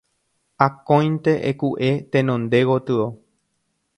Akóinte eku'e tenonde gotyo